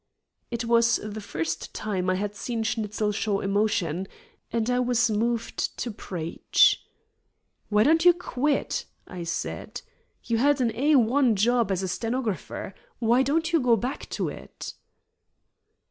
It was the first time I had seen Schnitzel show emotion, and I was moved to preach. "Why don't you quit?" I said. "You had an A 1 job as a stenographer. Why don't you go back to it?"